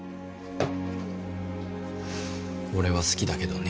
俺は好きだけどね